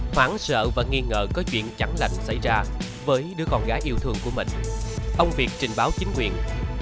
hoảng sợ và nghi ngờ có chuyện chẳng lành xảy ra với đứa con gái yêu thương của mình ông việt trình báo chính quyền